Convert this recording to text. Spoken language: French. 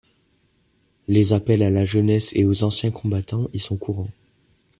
Les appels à la jeunesse et aux anciens combattants y sont courants.